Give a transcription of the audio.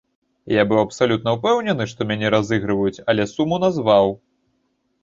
Я быў абсалютна ўпэўнены, што мяне разыгрываюць, але суму назваў.